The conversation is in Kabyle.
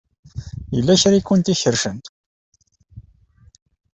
Yella kra ay kent-ikerrcen.